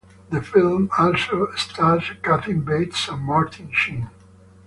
The film also stars Kathy Bates and Martin Sheen.